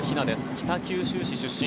北九州市出身。